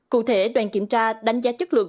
cụ thể đoàn kiểm tra đánh giá chất lượng